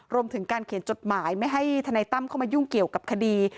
รวมถึงการเขียนจดหมายไม่ให้ทนายตั้มเข้ามายุ่งเกี่ยวกับคดี